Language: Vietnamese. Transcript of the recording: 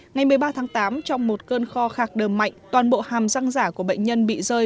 ngày một mươi ba tháng tám trong một cơn kho khạc đờm mạnh toàn bộ hàm răng giả của bệnh nhân bị rơi